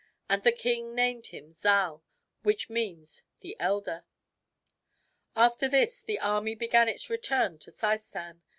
And the king named him Zal, which means the Elder. After this the army began its return to Seistan.